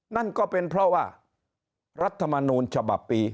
นั่นก็เป็นเพราะว่ารัฐมนูลฉบับปี